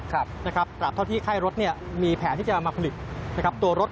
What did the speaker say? กราบเท่าที่ไข้รถมีแผนที่จะมาผลิตตัวรถ